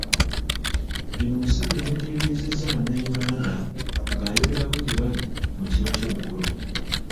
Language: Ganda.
Bino Museveni yabitegeezezza bannayuganda ng'ayogerako gye bali mu kiro ky'eggulo.